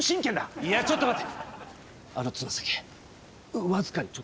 いやちょっと待て！